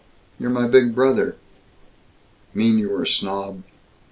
You're my big brother!" " mean you were a snob!"